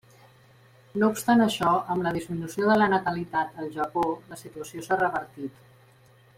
No obstant això, amb la disminució de la natalitat al Japó, la situació s'ha revertit.